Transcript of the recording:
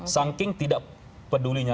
saking tidak pedulinya